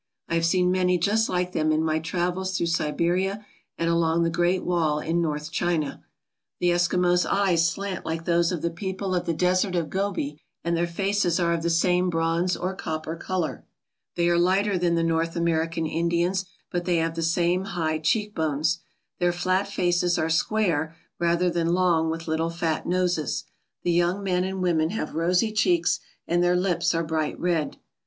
I have seen many just like them in my travels through Siberia and along the Great Wall in north China. The Eskimos' eyes slant like those of the people of the Desert of Gobi and their faces are of the same bronze or copper colour. They are lighter than the North American Indians but they have the same high cheekbones. Their flat faces are square rather than long with little fat noses. The young men and women have rosy cheeks, and their lips are bright red.